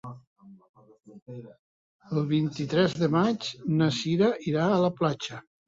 El vint-i-tres de maig na Cira irà a la platja.